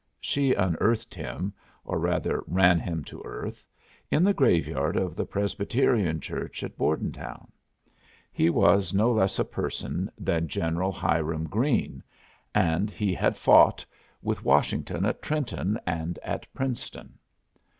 She unearthed him, or rather ran him to earth, in the graveyard of the Presbyterian church at Bordentown. He was no less a person than General Hiram Greene, and he had fought with Washington at Trenton and at Princeton.